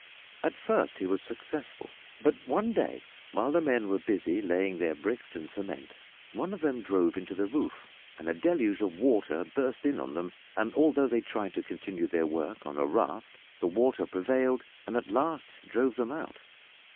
At first he was successful, but one day, while the men were busy laying their bricks in cement one of them drove into the roof, and a deluge of water burst in on them, and although they tried to continue their work on a raft the water prevailed and at last drove them out.